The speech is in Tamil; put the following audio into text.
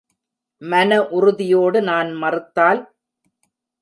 மன உறுதியோடு நான் மறுத்தால்?